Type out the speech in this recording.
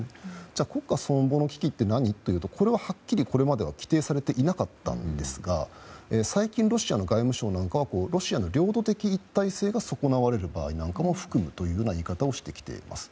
じゃあ、国家存亡の危機って何というと、これは規定されてはいなかったんですが最近、ロシアの外務省なんかはロシアの領土的一体性が損なわれる場合も含むという言い方もしてきています。